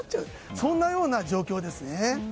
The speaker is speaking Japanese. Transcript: そんなような状況ですね。